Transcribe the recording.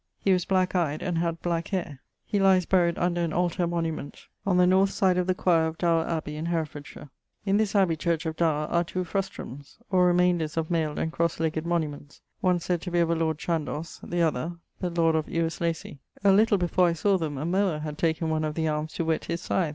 He was black eyed and had black hayre. He lies buried under an altar monument on the north side of the choire of Dowr abbey in Herefordshire. (In this abbey church of Dowre are two frustum's or remaynders of mayled and crosse legged monuments, one sayd to be of a lord Chandois, th' other, the lord of Ewyas lacy. A little before I sawe them a mower had taken one of the armes to whett his syth.)